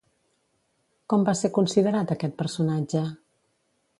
Com va ser considerat aquest personatge?